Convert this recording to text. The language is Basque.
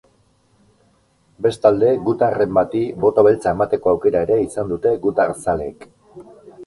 Bestalde, gutarren bati boto beltza emateko aukera ere izan dute gutarzaleek.